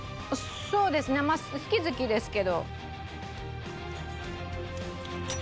そうですね好き好きですけど。